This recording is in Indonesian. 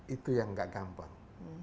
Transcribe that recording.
itu yang tidak gampang